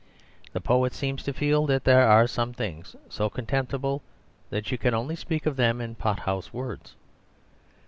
The poet seems to feel that there are some things so contemptible that you can only speak of them in pothouse words.